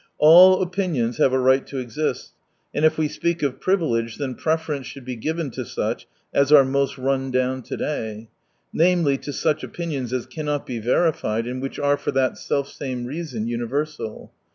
All opinions have a right to exist, and if we speak of privilege, then preference should be given to such as are most run down to day ; namely, to such opinions as cannot be verified and which are, for that selfsame reason, universal.